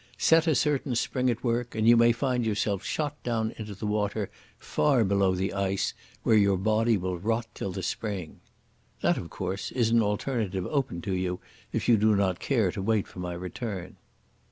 Set a certain spring at work and you may find yourself shot down into the water far below the ice, where your body will rot till the spring.... That, of course, is an alternative open to you, if you do not care to wait for my return."